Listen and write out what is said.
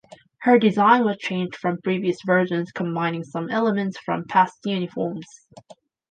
Her design was changed from previous versions, combining some elements from past uniforms.